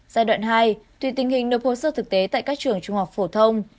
giai đoạn hai thì tình hình nộp hồ sơ thực tế tại các trường trung học phổ thông